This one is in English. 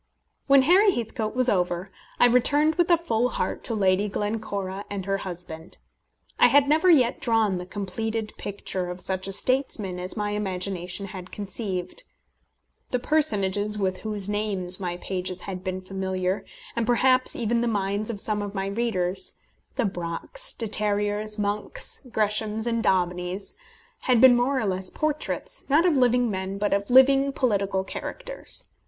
When Harry Heathcote was over, I returned with a full heart to Lady Glencora and her husband. I had never yet drawn the completed picture of such a statesman as my imagination had conceived. The personages with whose names my pages had been familiar, and perhaps even the minds of some of my readers the Brocks, De Terriers, Monks, Greshams, and Daubeneys had been more or less portraits, not of living men, but of living political characters.